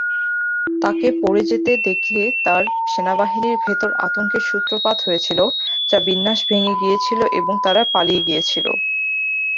তাকে পড়ে যেতে দেখে তার সেনাবাহিনীর ভেতর আতঙ্কের সূত্রপাত হয়েছিল যা বিন্যাস ভেঙে গিয়েছিল এবং তারা পালিয়ে গিয়েছিল।